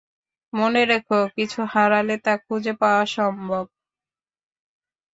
মনে রেখো, কিছু হারালে, তা খুঁজে পাওয়া সম্ভব।